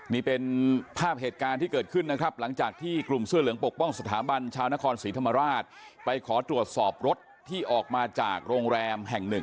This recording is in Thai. นี่เป็นภาพเหตุการณ์ที่เกิดขึ้นนะครับหลังจากที่กลุ่มเสื้อเหลืองปกป้องสถาบันชาวนครศรีธรรมราชไปขอตรวจสอบรถที่ออกมาจากโรงแรมแห่งหนึ่ง